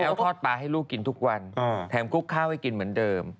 แล้วทอดปลาให้ลูกกินทุกวันแถมคลุกข้าวให้กินเหมือนเดิม